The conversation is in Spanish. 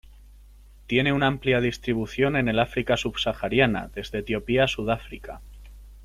Tiene una amplia distribución en el África subsahariana, desde Etiopía a Sudáfrica.